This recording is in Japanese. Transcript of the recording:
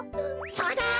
そうだ！